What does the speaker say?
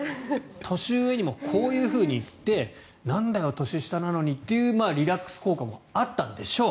年上にもこういうふうに言ってなんだよ年下なのにというリラックス効果もあったんでしょう。